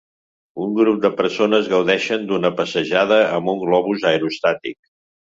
Un grup de persones gaudeixen d'una passejada amb un globus aerostàtic.